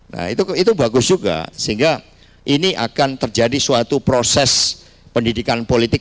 nah itu bagus juga sehingga ini akan terjadi suatu proses pendidikan politik